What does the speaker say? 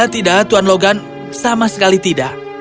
tidak tuan logan sama sekali tidak